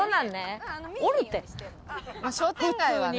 まあ商店街はね。